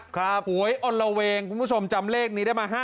ครับหวยอ่อนละเวงคุณผู้ชมจำเลขนี้ได้มา๕๓๓๗๒๖